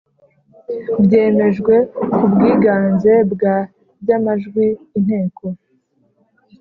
Byemejwe kubwiganze bwa by amajwi inteko